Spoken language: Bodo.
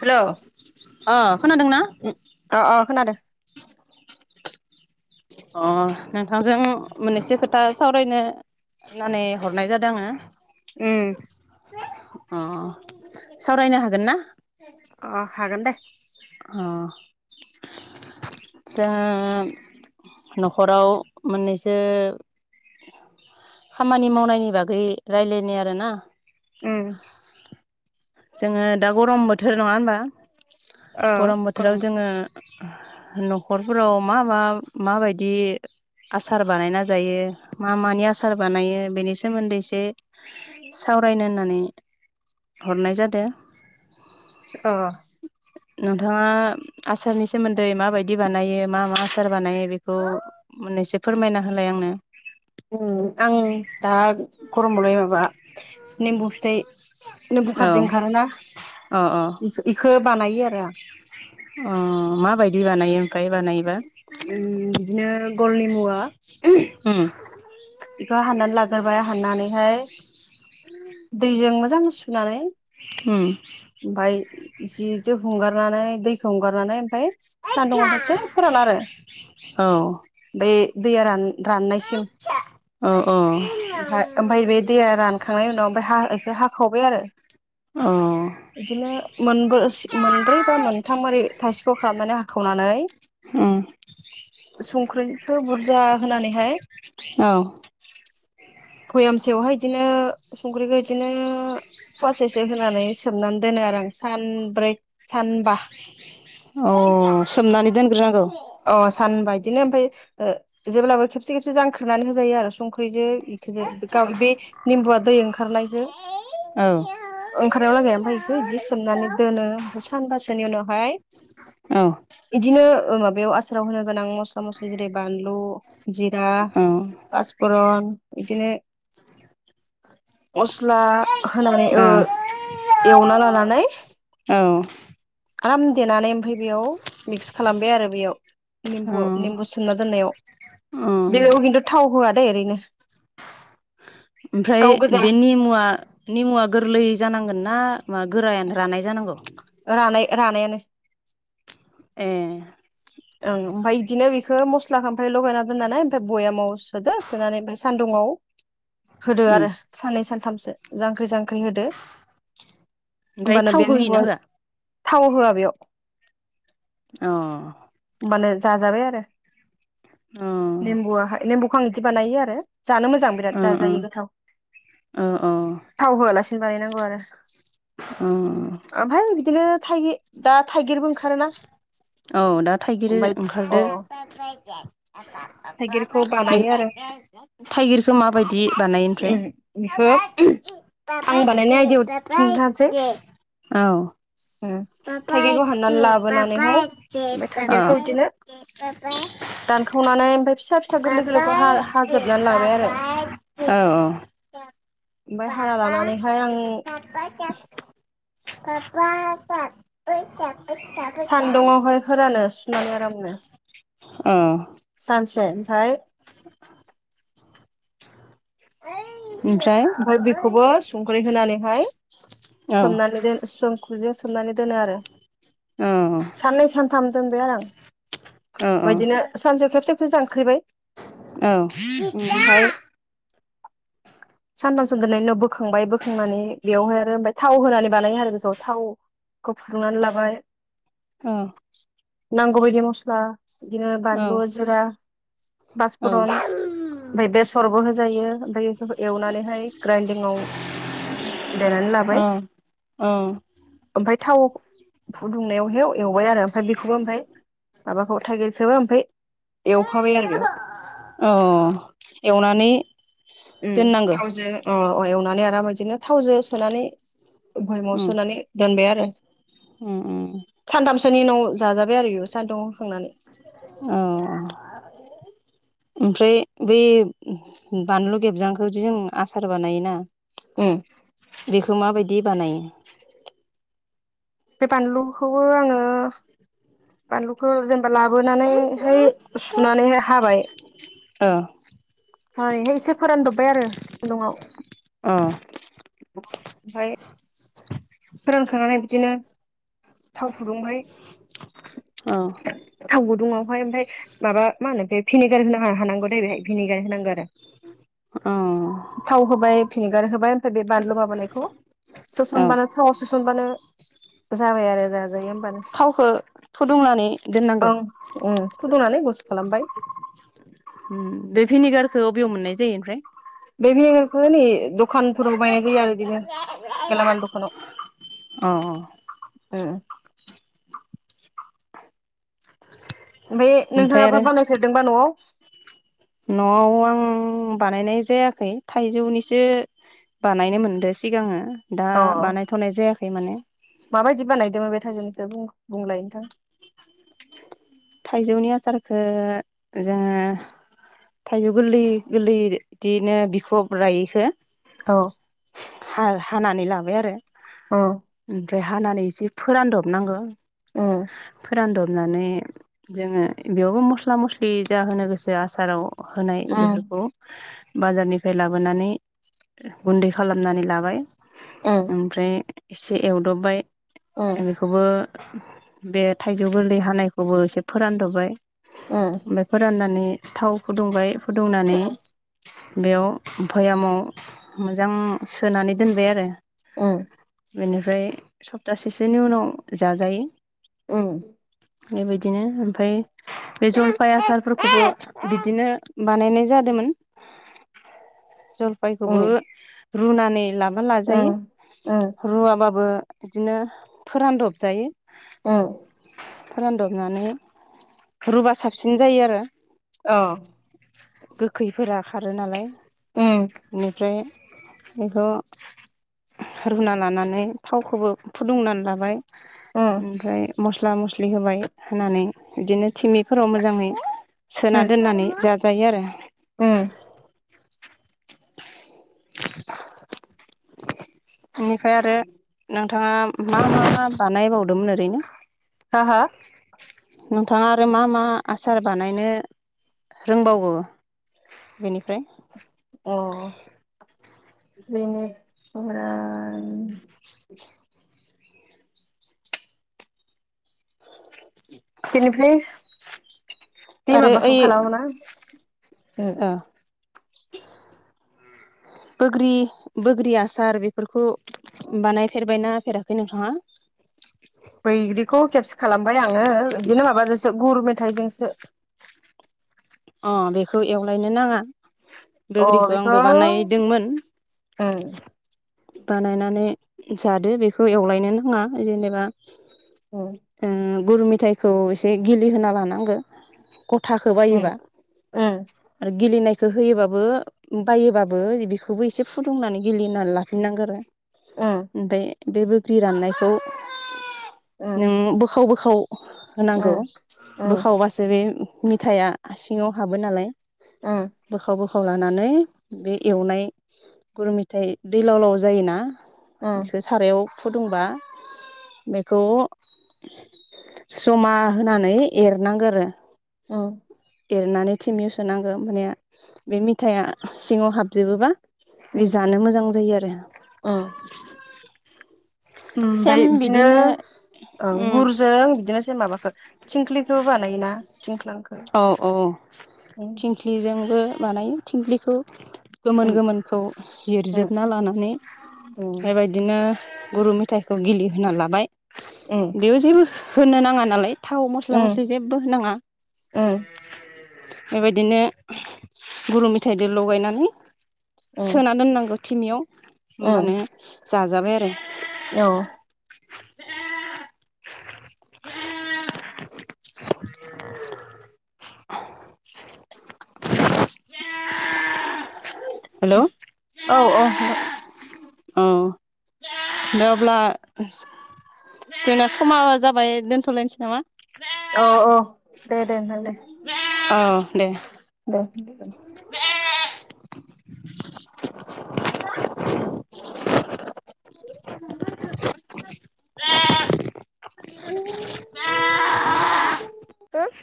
हेल' अ खोनादोंना अ अ खोनादों अ नोंथांजों मोननैसो खोथा सावरायनो होननानै हरनाय जादों आङो उम। अ सावरायनो हागोन ना अ हागोन दे अ जा नखराव मोननैसो खामानि मावनायनि बागै राय्लायनाय आरोना उम। जोङो दा गरम बोथोर नङा होनबा गरम बोथोराव जोङो नखरफोराव मा मा माबायदि आसार बानायना जायो मा मानि आसार बानायो बेनि सोमोन्दैसो सावरायनो होननानै [inaudible] हरनाय जादों ओं नोंथाङा आसारनि सोमोन्दै माबायदि बानायो मा मा आसार बानायो बेखौ उनैसो फोरमायना होलाय आंनो आं दा गरमावलाय माबा नेमबु सिथथाय बिनो औ बुखारारजों ओंखारोना अ अ बेखौ बानायो आरो आं अ माबायदि बानायो ओमफ्राय बानायोबा बिदिनो गलनि मुवा उम बेखौ हाननानै लाग्रबाय हाननानैहाय दैजों मोजां सुनानै उम ओमफाय जि जो हगारनानै दैखौ हगारनानै ओमफाय सान्दुंङाव दसे फोरान आरो औ बे दैया रान राननायसिम। औ औ ओमफाय ओमफाय बे दैया रानखांनायनि उनाव ओमफाय हा हाखावबाय आरो। अ। इदिनो मोनब्रो मोनब्रै बा मोनथाम ओरै थायसेखौ खालामनानै हाखावनानै उम संख्रिखौ बुरजा होनानैहाय औ। बयामसेयावहाय इदिनो संख्रिखौ इदिनो फवासेसो होनानै सोमनानै दोनो आरो आं सानब्रै सानबा। अ सोमनानै दोनग्रोनांगौ। अ सानबा इदिनो ओमफाय ओ जेब्लाबो खेबसे खेबसे जांख्रनानै होजायो आरो संख्रिजो इखोजो गाव बे निम्बुआ दै ओंखारनायजो औ ओंखारनाया लागै ओमफाय इखो इदि सोमनानै दोनो ओमफाय सानबासोनि उनावहाय औ इदिनो माबायाव आसाराव होनो गोनां मस्ला मस्लि जेरै बानलु जिरा औ पासफुरन इदिनो [inaudible] मस्ला औ होना माने ओ एवना लानानै औ आराम देनानै ओमफाय बेयाव मिक्स खालामबाय आरो बेयाव। निम्बु निम्बु सोमना दोननायाव बेयाव ओमफ्राय खिन्थु थाव होआ दे ओरैनो। ओमफ्राय गाव गोजा बे निमुआ निमुआ गोरलै जानांगोन ना मा गोरायानो रानाय जानांगौ? रानाय रानायानो। ए। ओं ओमफाय इदिनो बेखौ मस्लाखौ ओमफ्राय लगायना दोननानै ओमफ्राय बयामाव सोदो सोनानै ओमफ्राय सान्दुङाव होदो उम आरो साननै सानथामसो जांख्रि जां होदो ओमफ्राय होमबानो थाव बे होयोना निम्बुआ होआ थाव होआ बेयाव। अ। होमबानो जाजाबाय आरो। अ नेम्बुआहाय नेम्बुखौ आं इदि बानायो आरो जानो मोजां बिराद ओ जाजायो गोथाव। ओ थाव होआलासिनो बानायनांगौ आरो औ ओमफाय बि दिनो थाइगि दा थाइगिरबो ओंखारोन। औ दा थाइगिर ओंखारदों। थाइगिरखौ बानायो आरो नों थाइगिरखौ माबायदि बानायो बेखौ ओमफ्राय? आं बानायनाय आयदायाव [unintelligible] औ। ओ थाइगेरखौ हान [inaudible] [inaudible] अ। [unintelligible] औ औ। बिदिनो दानखावनानै ओमफ्राय फिसा फिसा गोरलै गोरलैखौ हाजोबनानै लाबाय आरो ओमफ्राय हाना लानानैहाय आं [unintelligible] [unintelligible] [unintelligible] सान्दुंआवहाय फोरानो सुनानै आरामनो। अ। सानसे ओमफाय [unintelligible] ओमफाय बेखौबो संख्रि होनानैहाय औ सोमनानै दो स्रो दुजायाव सोमनानै दोनो आरो औ औ साननै सान थाम दोनबाय आरो औ आं इदिनो सानसेयाव खेबसे खेबसे जांख्रिबाय। औ। ओमफ्राय [unintelligible] सानथामसो दोननायनि उनाव बोखांबाय बोखांनानै बेवहाय आरो ओमफ्राय थाव होनानै बानायो आरो बेखौ थाव खौ फुदुंनानै लाबाय औ नांगौ बायदि मस्ला बिदिनो बानलु जिरा बासफुरन ओमफाय बेसरबो होजायो ओमफाय एवनानैहाय ग्राइन्दिंआव देनानै लाबाय औ औ ओमफ्राय थाव फुदुंनायावहाय एवबाय आरो ओमफ्राय बेखौबो ओमफाय माबाखौ थाइगिर खोबो ओमफ्राय एवफाबाय आरो बेयाव औ एवनानै उम दोननांगो थावजों अ एवनानै आराम बिदिनो थावजों सोनानै बयामाव उम सोनानै दोनबाय आरो उम उम सोनि उनाव जाजाबाय आरो इयो सान्दुंआव होखांनानै औ ओमफ्राय बै बानलु गेबजांखौदि जों आसार बानायोना उम बेखौ माबायदि बानायो बे बानलुखौबो आङो बानलुखौ जेनेबा लाबोनानैहाय सुनानैहाय हाबाय ओ हायैहाय एसे फोरानदबबाय आरो सान्दुंआव अ फाय फोरानखांनानै बिदिनो थाव फुदुंबाय औ थाव गुदुङावहाय ओमफाय माबा मा होनो बे फिनिगार होनो हानांगौ दे बेहाय फिनिगार होनांगौ आरो ओ थाव होबाय फिनेगार होबाय ओमफ्राय बे बानलु माबानायखौ औ सोसनबानो आव सोसनबानो जाबाय आरो जाजायो थावखौ फुदुंनानै दोननांगो ओं उम फुदुंनानै गुसु खालामबाय बे भिनिगारखौ बबेयाव मोननाय जायो ओमफ्राय होनि दखानफोराव बायनाय जायो आरो बिदिनो गेलामाल दखानाव ओमफ्राय अ उम ओमफाय ओमफ्राय आरो नोंथाङाबा बानायफेरदोंबा न'आव न'आव आं बानायनाय जायाखै थाइजौनिसो बानायनो मोनदो सिगाङो दा अ बानायथ'नाय जायाखै माने माबायदि बानायदोंमोन बे थाइजौनिखो बुंलाय नोंथां थाइजौनि आसारखो जोङो थाइजौ गोरलै गोरलै बिदिनो बिखब रायैखो औ हा-हानानै लाबाय आरो अ ओमफ्राय हानानै एसे फोरानदबनांगौ उम होनानै जोङो बेयावबो मस्ला मस्लि जाहोनो गोसो आसाराव होनाय उम बेफोरखौ बाजारनिफ्राय लाबोनानै गुन्दै खालामनानै लाबाय उम ओमफ्राय एसे एवदबबाय उम बेखौबो बे थाइजौ गोरलै हानायखौबो एसे फोरानद'बाय उम ओमफ्राय फोराननानै थाव फुदुंबाय फुदुंनानै उम बेयाव भयामाव मोजां सोनानै दोनबाय आरो उम बेनिफ्राय सप्तासेसोनि उनाव जाजायो। औ बिदिनो ओमफ्राय बे जलफाय आसारफोरखौबो बिदिनो बानायनाय जादोंमोन। [inaudible] उम जलफायखौबो उम रुनानै लाबा लाजायो उम उम रुवाबाबो बिदिनो फोरानदब जायो। औ। फोरानदबनानै रुबा साबसिन जायो आरो। औ। गोखैफोरा खारो नालाय उम बेनिफ्राय बेखौ रुना लानानै थावखौबो फुदुंनानै लाबाय उम ओमफ्राय मस्ला मस्लि होबाय। होनानै बिदिनो थिमिफोराव मोजाङै सोना उम दोननानै जाजायो आरो। उम [unintelligible] बेनिफ्राय आरो नों नोंथांङा मा मा मा बानायबावदोंमोन ओरैनो? हा हा नोंथांङा आरो मा मा आसार बानायनो रोंबावो? बेनिफ्राय। अ बे ओ- बेनिफ्राय बे आरो ओइ माबाखौ खालामो ना उम। ओ बोग्रि बोग्रि आसार बेफोरखौ बानायफेरबायना होफेराखै नोंथाङा? बैग्रिखौ खेबसे खालामबाय आङो बिदिनो माबाजोंसो गुर मेथाइजोंसो। [inaudible] अ बेखौ एवलायनो नाङा। अ बोग्रिखौ बेखौ आंबो बानायदोंमोन। बानायनानै जादो बेखौ एवलायनो नांङा जेनेबा औ गुरु मेथाइखौ एसे गिलिहोना लानांगौ। गथाखौ बायोबा आरो गेलिनायखौ होयोबाबो बायोबाबो बेखौबो एसे फुदुंनानै गेलिहोना ला फिननांगौ आरो ओमफ्राय बे बोग्रि राननायखौ नों बोखाव बोखाव होनांगौ। बोखावबासो बे मिथाइआ सिङाव हाबो नालाय बोखाव बो खाव लानानै बे एवनाय गुरु मेथायाइ दैलाव लाव जायोना बिखौ सारायाव फुदुंबा बेखौ जमा होनानै एरनांगौ आरो औ एरनानै थेमायाउ सोनांगौ माने बे मिथायाइआ सिङाव हाबजोबोबा बे जानो मोजां जायो आरो। ओमफ्राय बिदिनो औ उम गुरजों बिदिनो माबाखौ थिंख्लांखौ बानायोना? थिंख्लांखौ औ औ औ गुरजोंबो बानायो थिंख्लांखौ। गोमोन औ गोमोनखौ जिरजोबना लानानै बेबायदिनो गुरु मेथाइखौ गिलिहोना लाबाय बेयाव जेबो होनो नांङा नालाय थाव मस्ला मस्लि जेबो होनाङा ओं बेबायदिनो गुरु मेथाइजों लगायनानै सोना दोननांगौ थिमियाव होमबानो जाजाबाय आरो औ हेल' औ औ औ दा अब्ला जोंना समा जाबाय दोनथ'लायनोसै नामा? औ औ दे दे नोंथां दे औ नामा दे [inaudible] [inaudible] जान